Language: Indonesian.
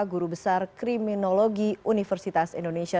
guru besar kriminologi universitas indonesia